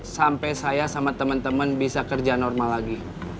sampai saya sama temen temen bisa kerja normal lagi